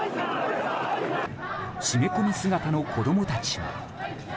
締め込み姿の子供たちも。